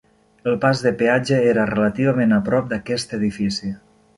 El pas de peatge era relativament a prop d'aquest edifici.